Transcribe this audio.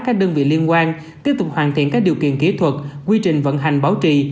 các đơn vị liên quan tiếp tục hoàn thiện các điều kiện kỹ thuật quy trình vận hành bảo trì